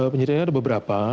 penyidiknya ada beberapa